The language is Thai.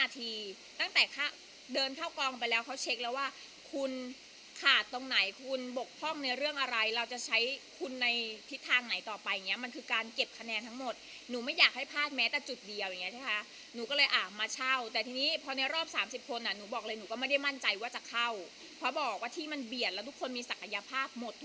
ตั้งแต่เดินเข้ากองไปแล้วเขาเช็คแล้วว่าคุณขาดตรงไหนคุณบกพร่องในเรื่องอะไรเราจะใช้คุณในทิศทางไหนต่อไปอย่างนี้มันคือการเก็บคะแนนทั้งหมดหนูไม่อยากให้พลาดแม้แต่จุดเดียวอย่างเงี้ใช่ไหมคะหนูก็เลยอ่ะมาเช่าแต่ทีนี้พอในรอบ๓๐คนอ่ะหนูบอกเลยหนูก็ไม่ได้มั่นใจว่าจะเข้าเพราะบอกว่าที่มันเบียดแล้วทุกคนมีศักยภาพหมด